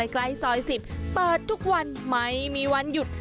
ใกล้ซอย๑๐เปิดทุกวันไม่มีวันหยุด